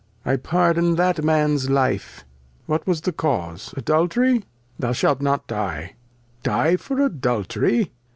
I pardon that Man's Life, what was the Cause ? Adultery? Thou shalt not Die. Die for Adultery